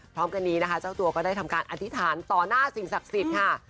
พร้อมกันนี้นะคะเจ้าตัวก็ได้ทำการอธิษฐานต่อหน้าสิ่งศักดิ์สิทธิ์ค่ะ